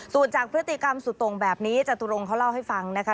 ส่วนจากพฤติกรรมสุดตรงแบบนี้จตุรงเขาเล่าให้ฟังนะคะ